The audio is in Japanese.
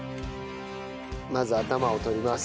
まず頭を取ります。